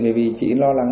bởi vì chị lo lắng